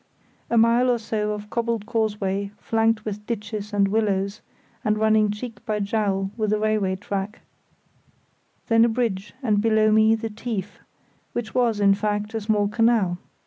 A mile or so of cobbled causeway flanked with ditches and willows, and running cheek by jowl with the railway track; then a bridge, and below me the "Tief"; which was, in fact, a small canal.